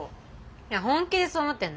いや本気でそう思ってんの？